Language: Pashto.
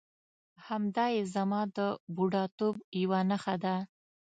همدایې زما د بوډاتوب یوه نښه ده.